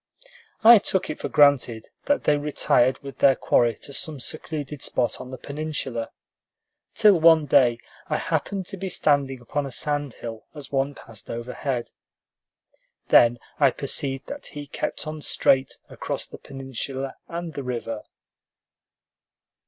I took it for granted that they retired with their quarry to some secluded spot on the peninsula, till one day I happened to be standing upon a sand hill as one passed overhead. Then I perceived that he kept on straight across the peninsula and the river.